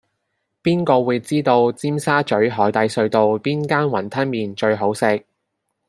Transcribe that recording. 邊個會知道尖沙咀海底隧道邊間雲吞麵最好食